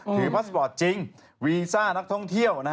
พาสปอร์ตจริงวีซ่านักท่องเที่ยว